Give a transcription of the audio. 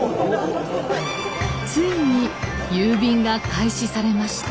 ついに郵便が開始されました。